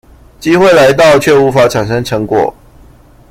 機會來到卻無法產生成果